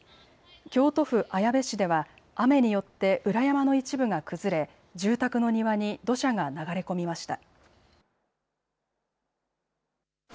京都府綾部市では雨によって裏山の一部が崩れ、住宅の庭に土砂が流れ込みました。